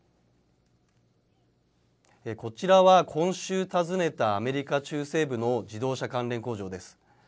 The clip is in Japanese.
こちらは今週訪ねたアメリカ中西部の自動車関連工場です。